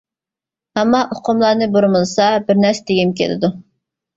ئەمما ئۇقۇملارنى بۇرمىلىسا بىر نەرسە دېگۈم كېلىدۇ.